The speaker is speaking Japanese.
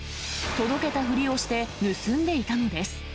届けたふりをして盗んでいたのです。